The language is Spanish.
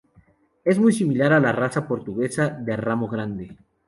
Es muy similar a la raza portuguesa de Ramo Grande.